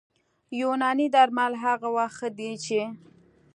یوناني درمل هغه وخت ښه دي چې